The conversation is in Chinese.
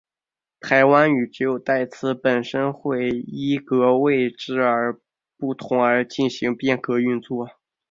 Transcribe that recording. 排湾语只有代词本身会依格位之不同而进行变格运作。